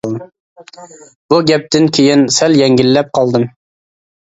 بۇ گەپتىن كېيىن سەل يەڭگىللەپ قالدىم.